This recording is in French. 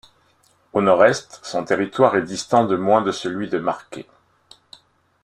Au nord-est, son territoire est distant de moins de de celui de Marquay.